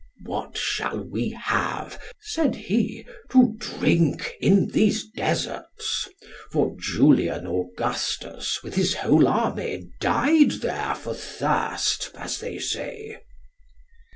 What shall we have, said he, to drink in these deserts? For Julian Augustus with his whole army died there for thirst, as they say.